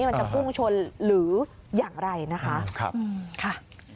มันจะพุ่งชนหรืออย่างไรนะคะ